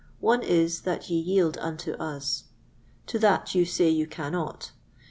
One is, that ye yield unto us. To that you say you cannot.